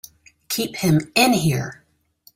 Keep him in here!